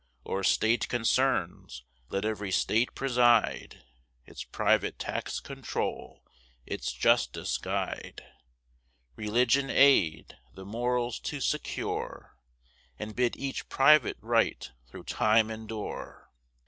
O'er state concerns, let every state preside; Its private tax controul; its justice guide; Religion aid; the morals to secure; And bid each private right thro' time endure.